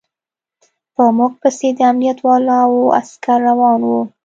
په موږ پسې د امنيت والاو عسکر روان و.